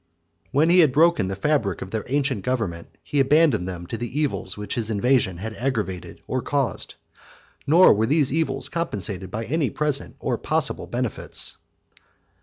When he had broken the fabric of their ancient government, he abandoned them to the evils which his invasion had aggravated or caused; nor were these evils compensated by any present or possible benefits.